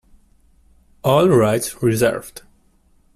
All rights reserved.